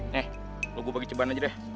nih lu gua bagi ceban aja deh